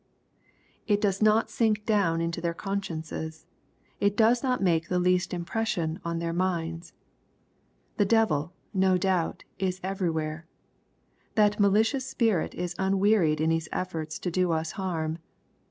It does not sink down into their consciences. It does not make the least impression on their minds. The devil, no doubt, is everywhere. That malicious spirit is unwearied in his efforts to do us harm.